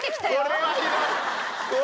これはひどい！